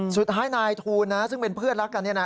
สุดท้ายนายทูลซึ่งเป็นเพื่อนรักกัน